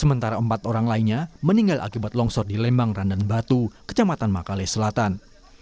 sementara empat orang lainnya meninggal akibat longsor di lembang randan batu kecamatan makale selatan